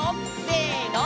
せの！